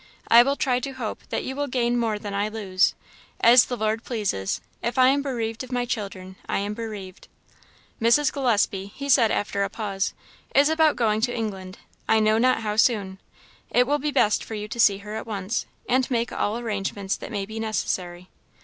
I will try to hope that you will gain more than I lose. As the Lord pleases! If I am bereaved of my children, I am bereaved." "Mrs. Gillespie," he said, after a pause, "is about going to England I know not how soon. It will be best for you to see her at once, and make all arrangements that may be necessary.